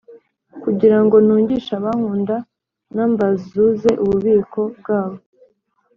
kugira ngo ntungishe abankunda, numberszuze ububiko bwabo